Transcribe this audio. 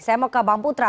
saya mau ke bang putra